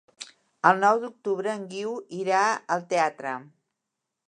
El nou d'octubre en Guiu irà al teatre.